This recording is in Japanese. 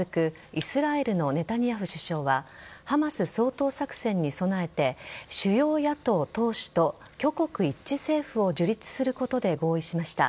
イスラエルのネタニヤフ首相はハマス掃討作戦に備えて主要野党党首と挙国一致政府を樹立することで合意しました。